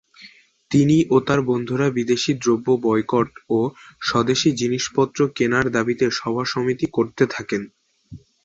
তিনি ও তার বন্ধুরা বিদেশী দ্রব্য বয়কট ও স্বদেশী জিনিসপত্র কেনার দাবীতে সভা সমিতি করতে থাকেন।